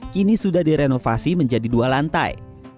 kini sudah direnovasi menjadi dua lantai